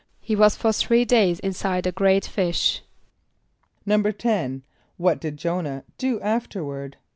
=He was for three days inside a great fish.= =10.= What did J[=o]´nah do afterward?